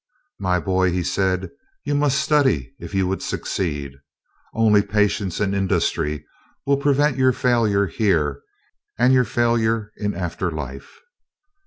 "My boy," he said, "you must study if you would succeed. Only patience and industry will prevent your failure here and your failure in after life."